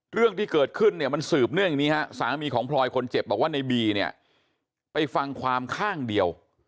เรื่องที่เกิดขึ้นเนี่ยมันสืบเนื่องอย่างนี้ฮะสามีของพลอยคนเจ็บบอกว่าในบีเนี่ยไปฟังความข้างเดียว